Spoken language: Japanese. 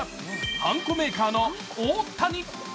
はんこメーカーの大谷。